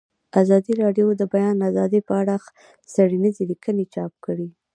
ازادي راډیو د د بیان آزادي په اړه څېړنیزې لیکنې چاپ کړي.